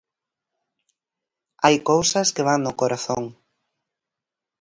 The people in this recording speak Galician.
Hai cousas que van no corazón.